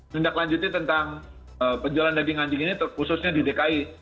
tindak lanjuti tentang penjualan daging anjing ini khususnya di dki